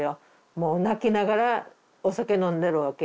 もう泣きながらお酒飲んでるわけ。